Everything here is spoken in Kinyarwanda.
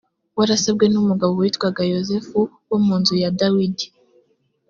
warasabwe n umugabo witwaga yozefu wo mu nzu ya dawidi